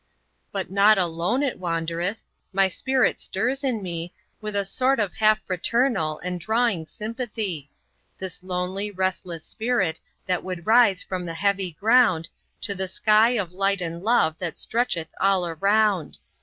But not alone it wandereth. My spirit stirs in me, With a sort of half fraternal and drawing sympathy; This lonely, restless spirit, that would rise from the heavy ground To the sky of light and love that stretcheth all around.